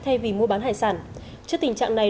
thay vì mua bán hải sản trước tình trạng này